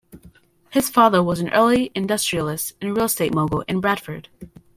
His father was an early industrialist and real estate mogul in Bradford.